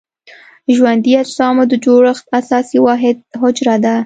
ژوندي اجسامو د جوړښت اساسي واحد حجره ده.